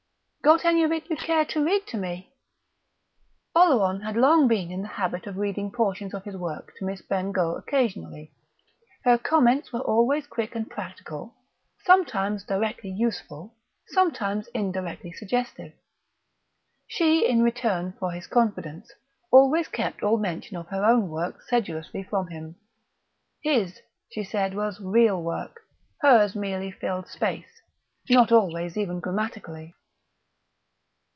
"Got any of it you care to read to me?..." Oleron had long been in the habit of reading portions of his work to Miss Bengough occasionally. Her comments were always quick and practical, sometimes directly useful, sometimes indirectly suggestive. She, in return for his confidence, always kept all mention of her own work sedulously from him. His, she said, was "real work"; hers merely filled space, not always even grammatically.